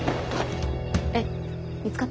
えっ見つかった？